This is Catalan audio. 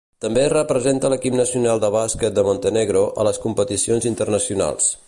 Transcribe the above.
També representa l'equip nacional de bàsquet de Montenegro a les competicions internacionals.